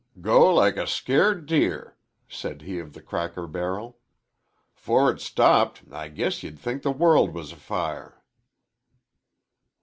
"Go like a scairt deer," said he of the cracker barrel. "'Fore it stopped I guess ye'd think the world was afire."